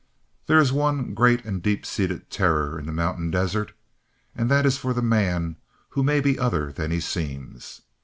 There is one great and deep seated terror in the mountain desert, and that is for the man who may be other than he seems.